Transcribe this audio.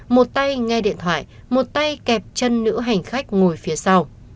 một tay nghe điện thoại một tay kẹp chân nữ hành khách ngồi phía sau